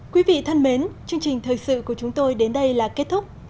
quý vị thân mến chương trình thời sự của chúng tôi đến đây là kết thúc